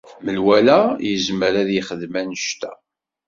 Menwala yezmer ad yexdem annect-a.